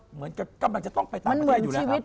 เหมือนกับกำลังจะต้องไปต่างประเทศอยู่แล้ว